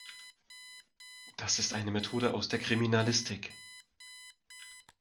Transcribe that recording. Das ist eine Methode aus der Kriminalistik.